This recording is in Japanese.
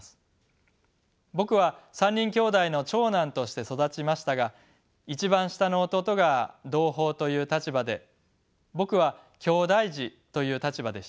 僕は３人兄弟の長男として育ちましたが一番下の弟が同胞という立場で僕はきょうだい児という立場でした。